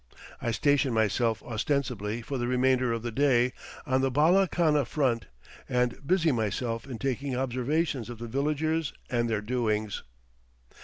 I station myself ostensibly for the remainder of the day on the bala khana front, and busy myself in taking observations of the villagers and their doings.